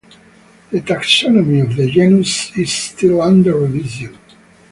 The taxonomy of the genus is still under revision.